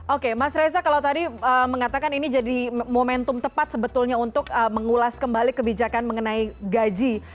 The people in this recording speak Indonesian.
oke mas reza kalau tadi mengatakan ini jadi momentum tepat sebetulnya untuk mengulas kembali kebijakan mengenai gaji